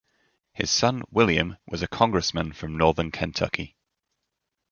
His son William was a congressman from Northern Kentucky.